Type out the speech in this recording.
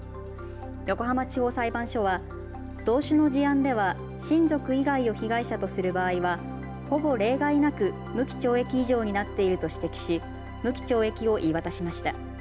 横浜地方裁判所は同種の事案では親族以外を被害者とする場合はほぼ例外なく無期懲役以上になっていると指摘し、無期懲役を言い渡しました。